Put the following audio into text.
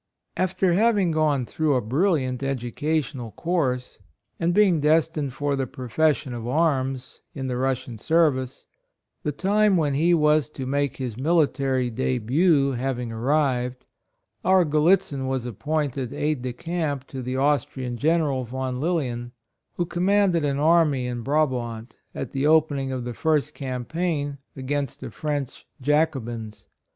FTEB, having gone through a brilliant ^ educational course, and being destined for the profession of arms, in the Russian service, the time when he was to make his military debut having arrived, our Gallitzin was appointed aid de camp to the Aus trian General Yon Lilien, who com manded an army in Brabant, at the opening of the first campaign against the French Jacobins.